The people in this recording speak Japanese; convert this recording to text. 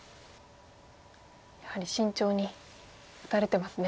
やはり慎重に打たれてますね。